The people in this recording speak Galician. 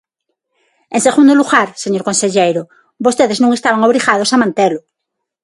En segundo lugar, señor conselleiro, vostedes non estaban obrigados a mantelo.